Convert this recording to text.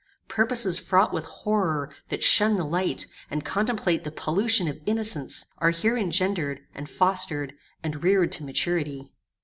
Purposes fraught with horror, that shun the light, and contemplate the pollution of innocence, are here engendered, and fostered, and reared to maturity.